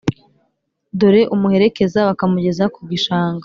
dore umuherekeza bakamugeza ku gishanga